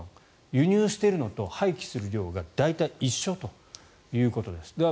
輸入してるのと廃棄しているのが大体一緒ということです。